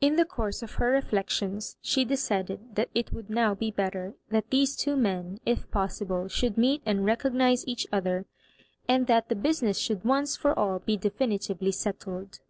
In the course of her reflections, she decided that it w6uld now be better that these two men, if possible, shoi^ld meet and recognise each other, and that the busi ness should once for all be definitively settled.